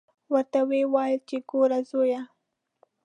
ورته ویې ویل چې ګوره زویه.